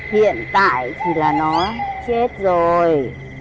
hiện tại thì là nó chết rồi